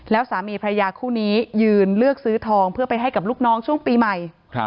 แล้วสามีพระยาคู่นี้ยืนเลือกซื้อทองเพื่อไปให้กับลูกน้องช่วงปีใหม่